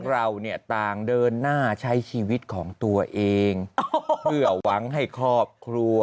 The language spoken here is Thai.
เราเนี่ยต่างเดินหน้าใช้ชีวิตของตัวเองเพื่อหวังให้ครอบครัว